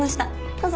どうぞ。